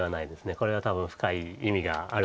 これは多分深い意味があると思います。